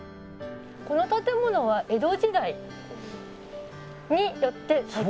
この建物は江戸時代によって再建された。